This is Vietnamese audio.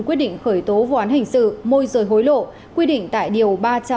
quyết định khởi tố vụ án hình sự môi rời hối lộ quyết định tại điều ba trăm sáu mươi năm